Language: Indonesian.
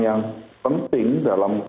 yang penting dalam